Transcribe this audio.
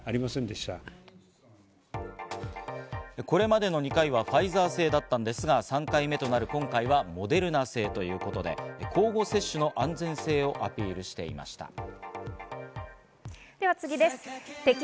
これまでの２回はファイザー製だったんですが３回目となる今回はモデルナ製ということで、交互接種の安全性をアピールしていました。